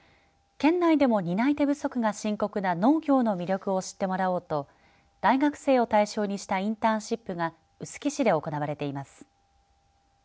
県内でも担い手不足が深刻な農業の魅力を知ってもらおうと大学生を対象にしたインターンシップが臼杵市で行われています。